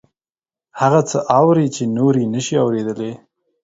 هغه څه اوري چې نور یې نشي اوریدلی